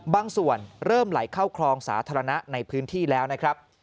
บางส่วนเริ่มไหลเข้าคลองสาธารณะในพื้นที่แล้วนะครับ